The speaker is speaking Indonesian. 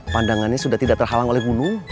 pandangannya sudah tidak terhalang oleh bunuh